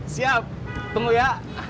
siap tunggu ya